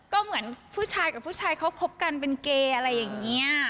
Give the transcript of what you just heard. ก็เหมือนผู้ชายกับผู้ชายเขาคบกันเป็นเกย์อะไรอย่างนี้